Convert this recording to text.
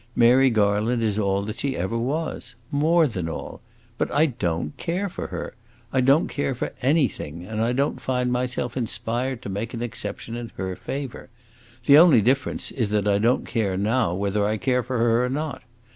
Mary Garland is all that she ever was more than all. But I don't care for her! I don't care for anything, and I don't find myself inspired to make an exception in her favor. The only difference is that I don't care now, whether I care for her or not.